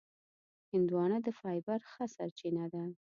هندوانه د فایبر ښه سرچینه ده.